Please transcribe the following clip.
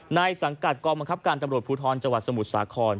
สังกัดกองบังคับการตำรวจภูทรจังหวัดสมุทรสาคร